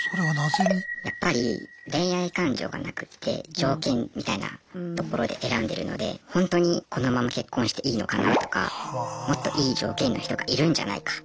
やっぱり恋愛感情がなくて条件みたいなところで選んでるのでほんとにこのまま結婚していいのかなとかもっといい条件の人がいるんじゃないかとか。